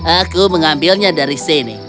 aku mengambilnya dari sini